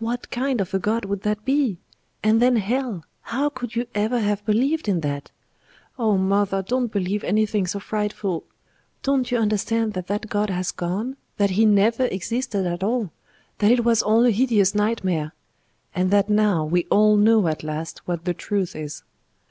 What kind of a God would that be! And then Hell; how could you ever have believed in that?... Oh! mother, don't believe anything so frightful.... Don't you understand that that God has gone that He never existed at all that it was all a hideous nightmare; and that now we all know at last what the truth is....